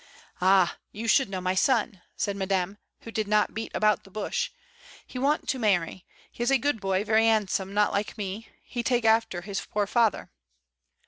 "Ah! you should know my son," said Madame, who did not beat about the bush; "he want to THE ATELIER. 77 xnany; he is a good boy, very 'andsome, not like me. He take after his poor fazzer."